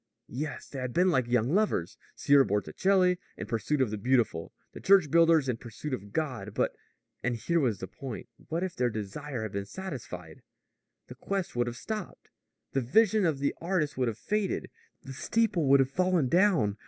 Yes, they had been like young lovers Sieur Botticelli, in pursuit of the beautiful; the church builders in pursuit of God. But and here was the point what if their desire had been satisfied? The quest would have stopped. The vision of the artist would have faded. The steeple would have fallen down.